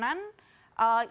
imbauan dari pemerintah